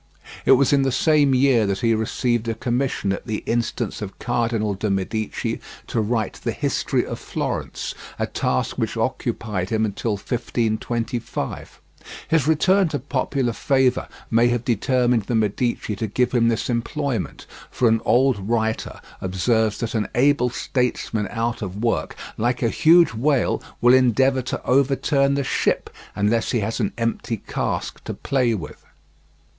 It was in the same year that he received a commission at the instance of Cardinal de' Medici to write the "History of Florence," a task which occupied him until 1525. His return to popular favour may have determined the Medici to give him this employment, for an old writer observes that "an able statesman out of work, like a huge whale, will endeavour to overturn the ship unless he has an empty cask to play with."